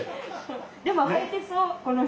でも履いてそうこの人。